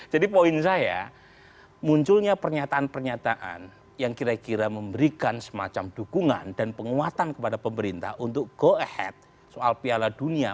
jadi poin saya munculnya pernyataan pernyataan yang kira kira memberikan semacam dukungan dan penguatan kepada pemerintah untuk go ahead soal piala dunia